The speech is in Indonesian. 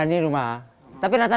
ini sudah berubah